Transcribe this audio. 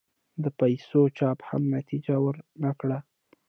د پیسو چاپ هم نتیجه ور نه کړه.